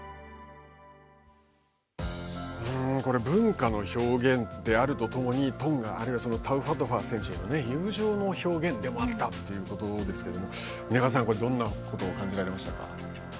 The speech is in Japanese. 文化の表現であるとともにトンガ、あるいはタウファトファ選手への友情の表現でもあったということですけれども皆川さん、これ、どんなことを感じられましたか。